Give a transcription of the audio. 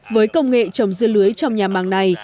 với công nghệ trồng dưa lưới trong nhà màng này